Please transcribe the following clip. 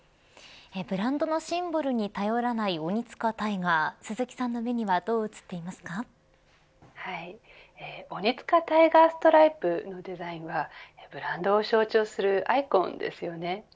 ブランドのシンボルに頼らないオニツカタイガー鈴木さんの目にはオニツカタイガーストライプのデザインはブランドを象徴するアイコンですよね。